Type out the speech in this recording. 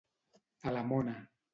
A la mona.